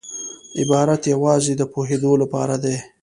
عبارت یوازي د پوهېدو له پاره دئ.